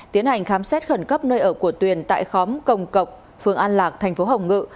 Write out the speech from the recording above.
tiến hành khám xét khẩn cấp nơi ở của tuyền tại khóm công cộc phương an lạc tp hồng ngự